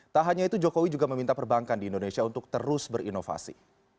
tak hanya itu jokowi juga meminta perbankan di indonesia untuk terus berinovasi